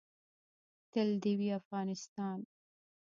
تل دې وي افغانستان.